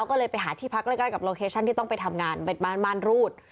ก็เลยไปหาที่พักใกล้กับโลเคชั่นที่ต้องไปทำงานเป็นบ้านม่านรูด